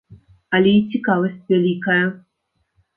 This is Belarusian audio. Але і цікавасць вялікая.